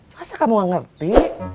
masa kamu gak ngerti